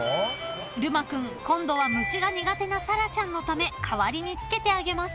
［るま君今度は虫が苦手なサラちゃんのため代わりに付けてあげます］